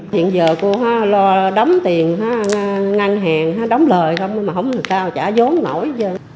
hiện giờ cô lo đóng tiền ngăn hàng đóng lời mà không sao trả giống nổi